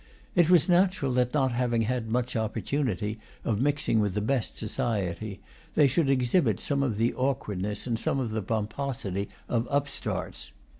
It was natural that, not having had much opportunity of mixing with the best society, they should exhibit some of the awkwardness and some of the pomposity of upstarts.